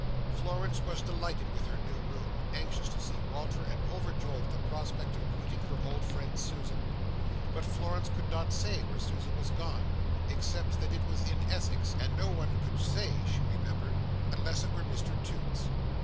Florence was delighted with her new room, anxious to see Walter, and overjoyed at the prospect of greeting her old friend Susan. But Florence could not say where Susan was gone, except that it was in Essex, and no one could say, she remembered, unless it were Mr Toots.